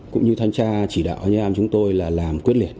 cũng như thanh tra chỉ đạo hnam chúng tôi là làm quyết liệt